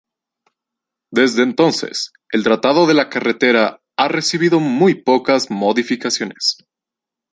Desde entonces el trazado de la carretera ha recibido muy pocas modificaciones.